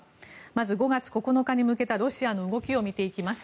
まず、５月９日に向けたロシアの動きを見ていきます。